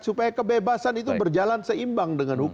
supaya kebebasan itu berjalan seimbang dengan hukum